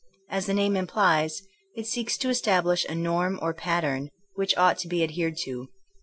As the name implies, it seeks to establish a norm or pattern which ought to be adhered to.